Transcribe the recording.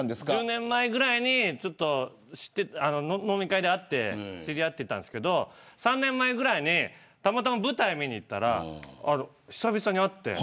１０年ぐらい前に飲み会で会って知り合ってたんですけど３年前ぐらいにたまたま舞台を見に行ったら久々に会って。